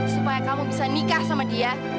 supaya kamu bisa nikah sama dia